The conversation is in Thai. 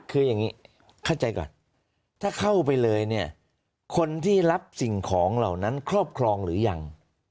คืออย่างนี้เข้าใจก่อนถ้าเข้าไปเลยเนี่ยคนที่รับสิ่งของเหล่านั้นครอบครองหรือยัง